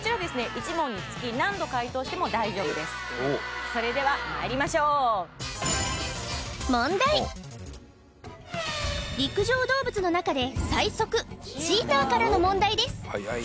１問につき何度解答しても大丈夫ですそれではまいりましょう陸上動物の中で最速チーターからの問題です